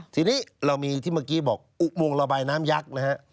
ทีนี้เรามีที่เมื่อกี้บอกอุโมงระบายน้ำยักษ์นะฮะ